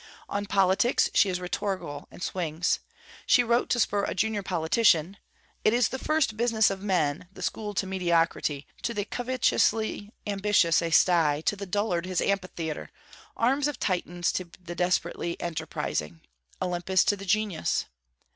On Politics she is rhetorical and swings: she wrote to spur a junior politician: 'It is the first business of men, the school to mediocrity, to the covetously ambitious a sty, to the dullard his amphitheatre, arms of Titans to the desperately enterprising, Olympus to the genius.'